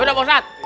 udah pak ustadz